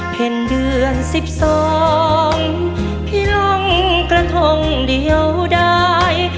เพ่นเดือนสิบสองพี่ลองกระทงเดียวได้